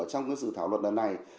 trong dự thảo luật này